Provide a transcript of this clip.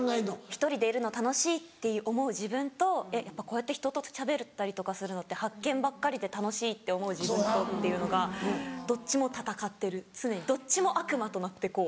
１人でいるの楽しいって思う自分とやっぱこうやって人としゃべったりとかするのって発見ばっかりで楽しいって思う自分とっていうのがどっちも戦ってる常にどっちも悪魔となってこう。